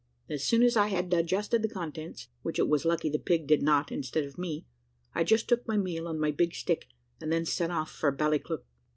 As soon as I had digested the contents, which it was lucky the pig did not instead of me, I just took my meal and my big stick, and then set off for Ballycleuch.